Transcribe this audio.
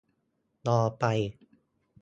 รอไป